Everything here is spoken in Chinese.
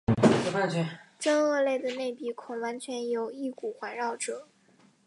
真鳄类的内鼻孔完全由翼骨环绕者。